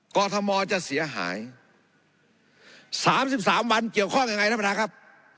กรทมจะเสียหายสามสิบสามวันเกี่ยวข้องยังไงท่านพนักครับ